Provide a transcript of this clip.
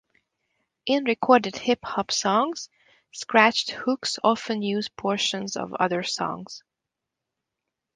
In recorded hip hop songs, scratched "hooks" often use portions of other songs.